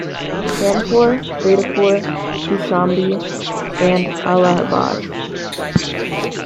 Kanpur, Fatehpur, Kaushambi and Allahabad.